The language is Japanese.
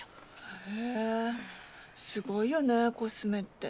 へぇすごいよねコスメって。